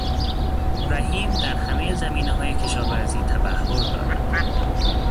رحیم در همهی زمینههای کشاورزی تبحر دارد.